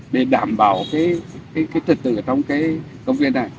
để đảm bảo cái trực tự ở trong cái công viên này